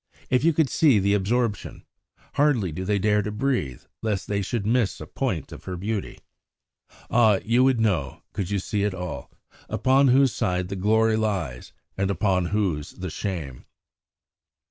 If you could see the absorption hardly do they dare to breathe lest they should miss a point of her beauty! Ah, you would know, could you see it all, upon whose side the glory lies and upon whose the shame!